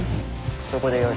そこでよい。